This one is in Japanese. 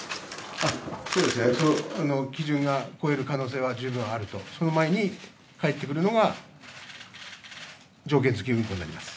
そうですね、基準は超える可能性は十分あると、その前に帰ってくるのが条件付き運航になります。